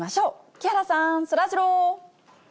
木原さん、そらジロー。